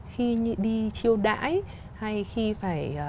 khi đi chiêu đãi hay khi phải